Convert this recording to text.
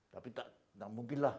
tapi tidak mungkinlah